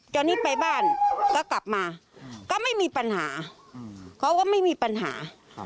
ตอนนี้ไปบ้านก็กลับมาก็ไม่มีปัญหาเขาก็ไม่มีปัญหา